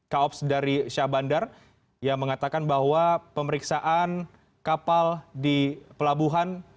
kaops dari syah bandar yang mengatakan bahwa pemeriksaan kapal di pelabuhan